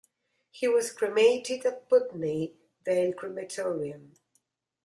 He was cremated at Putney Vale Crematorium.